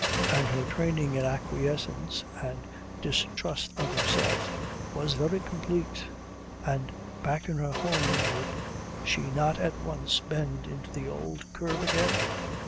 And her training in acquiescence and distrust of herself was very complete, and back in her home would she not at once bend into the old curve again?